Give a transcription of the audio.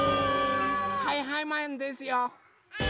はいはいマンですよ。